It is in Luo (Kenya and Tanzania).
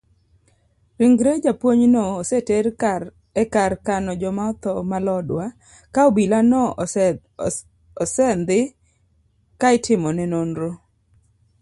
Ringre japuonjno oseter ekar kano joma otho ma lodwa ka obilano osendhi kaitimone nonro.